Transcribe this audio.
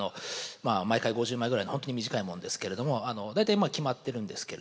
毎回５０枚ぐらいの本当に短いもんですけれども大体決まってるんですけれども。